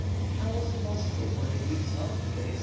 How was it possible for the Greeks not to get excited D.